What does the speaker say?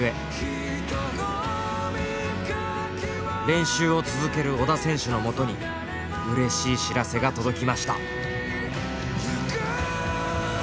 練習を続ける織田選手のもとにうれしい知らせが届きました。